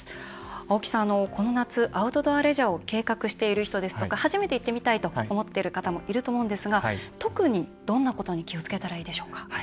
青木さん、この夏アウトドアレジャーを計画している人ですとか初めて行ってみたいと思ってる方もいると思うんですが特にどんなことに気をつけたらいいでしょうか。